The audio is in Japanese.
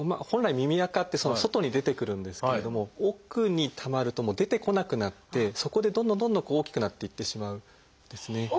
本来耳あかって外に出てくるんですけれども奥にたまるともう出てこなくなってそこでどんどんどんどん大きくなっていってしまうんですね。